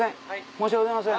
申し訳ございません